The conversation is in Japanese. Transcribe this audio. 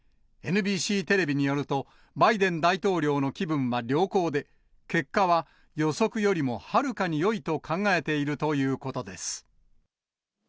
ＮＢＣテレビによると、バイデン大統領の気分は良好で、結果は予測よりもはるかによいと考えているということです。